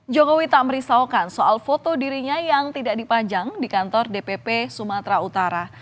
jokowi tak merisaukan soal foto dirinya yang tidak dipanjang di kantor dpp sumatera utara